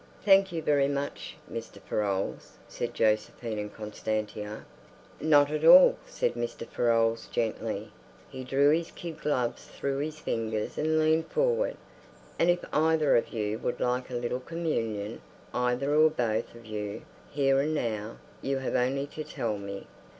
"Thank you very much, Mr. Farolles," said Josephine and Constantia. "Not at all," said Mr. Farolles gently. He drew his kid gloves through his fingers and leaned forward. "And if either of you would like a little Communion, either or both of you, here and now, you have only to tell me.